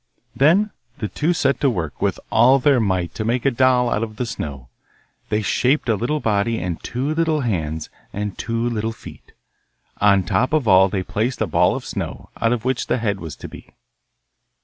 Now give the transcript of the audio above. Then the two set to work with all their might to make a doll out of the snow. They shaped a little body and two little hands and two little feet. On top of all they placed a ball of snow, out of which the head was to be.